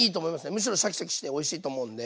むしろシャキシャキしておいしいと思うんで。